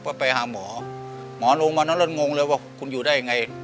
ก็ไปหาหมอหมอลงวันนั้นแล้วงงเลยว่าคุณอยู่ได้ยังไง